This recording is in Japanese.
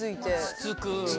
つつく。